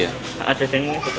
jajan ini cukup banyak